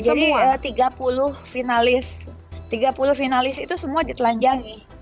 jadi tiga puluh finalis tiga puluh finalis itu semua ditelanjangi